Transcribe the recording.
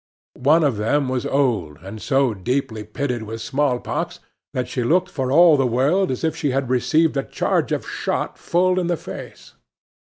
One of them was old, and so deeply pitted with smallpox that she looked for all the world as if she had received a charge of shot full in the face.